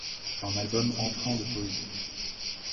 Un album empreint de poésie.